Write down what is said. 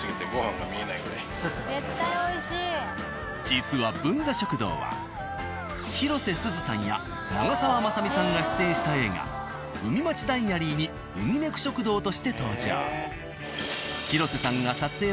実は「文佐食堂」は広瀬すずさんや長澤まさみさんが出演した映画「海街ｄｉａｒｙ」に「海猫食堂」として登場。